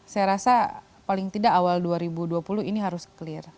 saya rasa paling tidak awal dua ribu dua puluh ini harus clear